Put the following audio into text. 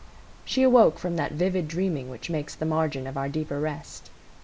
She awoke from that vivid dreaming which makes the margin of our deeper rest.